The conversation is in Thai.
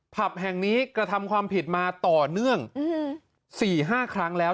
ผับแห่งนี้กระทำความผิดมาต่อเนื่อง๔๕ครั้งแล้ว